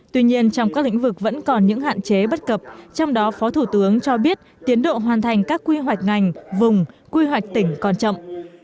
tuy nhiên trong các lĩnh vực vẫn còn những hạn chế bất cập trong đó phó thủ tướng cho biết tiến độ hoàn thành các quy hoạch ngành vùng quy hoạch tỉnh còn chậm